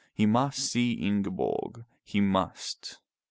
He must see Ingeborg. He must.